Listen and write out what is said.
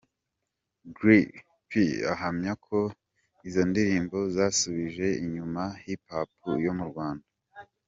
Greep P ahamya ko izi ndirimbo zasubije inyuma hip hop yo mu Rwanda.